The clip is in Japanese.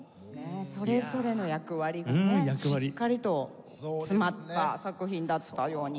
それぞれの役割がねしっかりと詰まった作品だったように思いますけど。